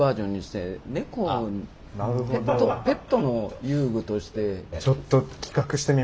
ペットの遊具として。